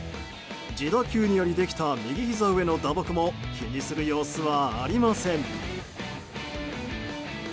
自打球によりできた右ひざ上の打撲も気にする様子はありません。